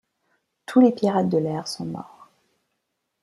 Tous les pirates de l'air sont morts.